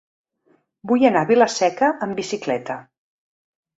Vull anar a Vila-seca amb bicicleta.